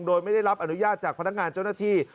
โดยไม่ได้รับอนุญาตจากพนักงานเจ้าหน้าที่